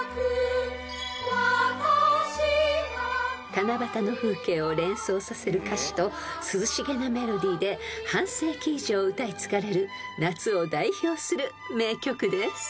［七夕の風景を連想させる歌詞と涼しげなメロディーで半世紀以上歌い継がれる夏を代表する名曲です］